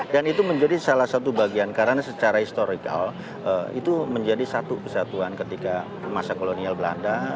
dan itu menjadi salah satu bagian karena secara historical itu menjadi satu persatuan ketika masa kolonial belanda